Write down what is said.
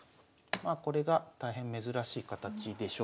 まあこれが大変珍しい形でしょうか。